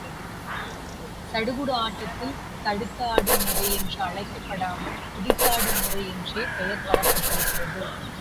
சடுகுடு ஆட்டத்தில் தடுத்தாடும் முறை என்று அழைக்கப் படாமல், பிடித்தாடும் முறை என்றே பெயர் தரப்பட்டிருக்கிறது.